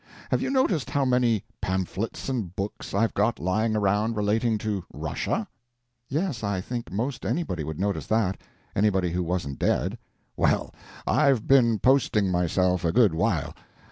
Have you noticed how many pamphlets and books I've got lying around relating to Russia?" "Yes, I think most anybody would notice that—anybody who wasn't dead." "Well, I've been posting myself a good while.